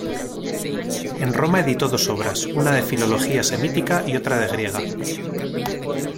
En Roma editó dos obras, una de filología semítica y otra de griega.